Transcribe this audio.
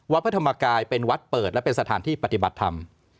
พระธรรมกายเป็นวัดเปิดและเป็นสถานที่ปฏิบัติธรรม